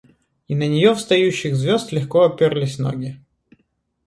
И на нее встающих звезд легко оперлись ноги.